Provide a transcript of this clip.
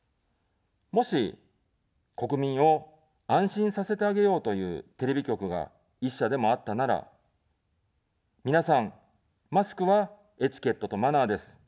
もし、国民を安心させてあげようというテレビ局が１社でもあったなら、皆さん、マスクはエチケットとマナーです。